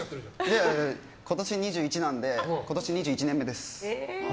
いやいや、今年２１なので今年２１年目です。